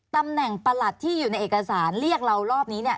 ตำแหน่งประหลัดที่อยู่ในเอกสารเรียกเรารอบนี้เนี่ย